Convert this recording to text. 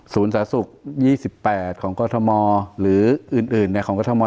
ศูนย์สาสุก๒๘ของกลทมหรืออื่นของกลศม